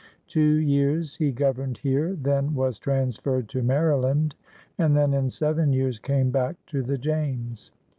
Two years he governed here, then was transferred to Maryland, and then in seven years came back to the James.